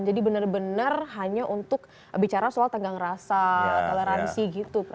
jadi benar benar hanya untuk bicara soal tanggang rasa toleransi gitu